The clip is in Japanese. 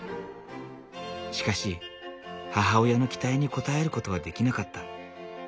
しかし母親の期待に応えることはできなかった。